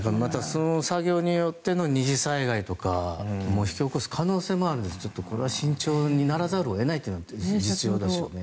その作業によっての二次災害とか引き起こす可能性もあるのでこれは慎重にならざるを得ないですよね。